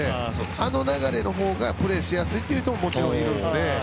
あの流れの方がプレーしやすいという人ももちろんいるので。